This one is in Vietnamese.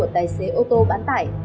tài xế ô tô bán tải